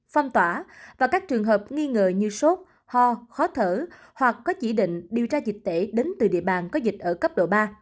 phong tỏa và các trường hợp nghi ngờ như sốt ho khó thở hoặc có chỉ định điều tra dịch tễ đến từ địa bàn có dịch ở cấp độ ba